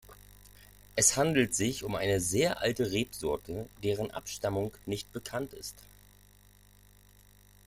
Es handelt sich um eine sehr alte Rebsorte, deren Abstammung nicht bekannt ist.